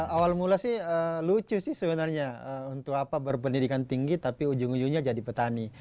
awal mula sih lucu sih sebenarnya untuk berpendidikan tinggi tapi ujung ujungnya jadi petani